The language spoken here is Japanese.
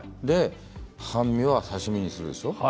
半身は刺身にするでしょう。